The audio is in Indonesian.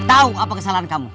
tahu apa kesalahan kamu